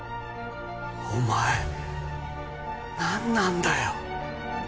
お前何なんだよ